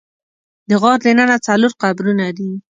د غار دننه څلور قبرونه دي.